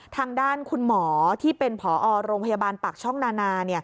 ทางด้านคุณหมอที่เป็นผอโรงพยาบาลปากช่องนานา